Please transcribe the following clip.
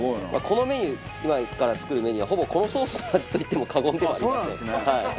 このメニュー今から作るメニューはほぼこのソースの味と言っても過言ではありません。